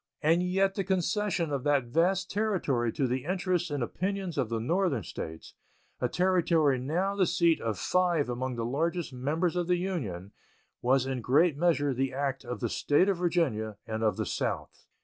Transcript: And yet the concession of that vast territory to the interests and opinions of the Northern States, a territory now the seat of five among the largest members of the Union, was in great measure the act of the State of Virginia and of the South.